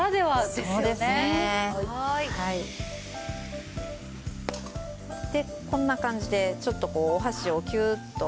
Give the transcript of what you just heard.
でこんな感じでちょっとお箸をキューッとして。